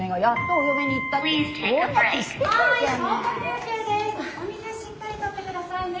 お水しっかりとって下さいね。